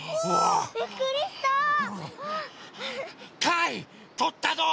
かいとったぞ！